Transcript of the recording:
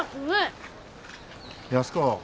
安子。